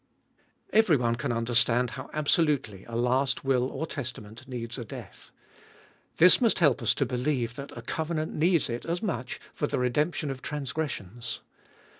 1. Everyone can understand houi absolutely a last will or testament needs a death. This must help us to believe that a covenant needs It as much for the redemption of transgres sions.